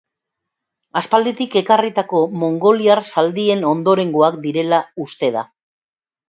Aspalditik ekarritako mongoliar zaldien ondorengoak direla uste da.